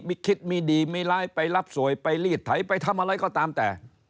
มีคิดมีดีมีร้ายไปรับสวยไปรีดไถไปทำอะไรก็ตามแต่